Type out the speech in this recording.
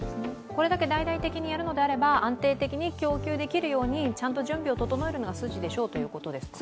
これだけ大々的にやるのであれば、安定的に供給できるように、ちゃんとやるのが筋だということですか？